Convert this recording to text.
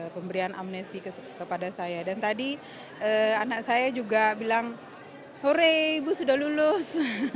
pemberian amnesti kepada saya dan tadi anak saya juga bilang sore ibu sudah lulus